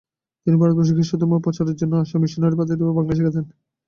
তিনি ভারতে খ্রিস্টধর্ম প্রচারের জন্য আসা মিশনারি পাদ্রীদের বাংলা শেখাতেন।